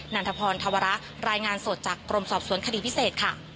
ันทพรธวระรายงานสดจากกรมสอบสวนคดีพิเศษค่ะ